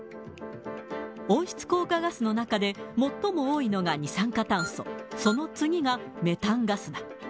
温室効果ガスの中で、最も多いのが二酸化炭素、その次がメタンガスだ。